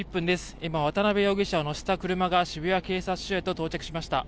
今、渡邉容疑者を乗せた車が渋谷警察署へと到着しました。